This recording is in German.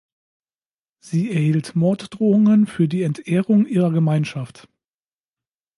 Sie erhielt Morddrohungen für die Entehrung ihrer Gemeinschaft.